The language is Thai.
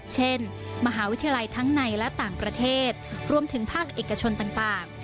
เช่นมหาวิทยาลัยทั้งในและต่างประเทศรวมถึงภาคเอกชนต่าง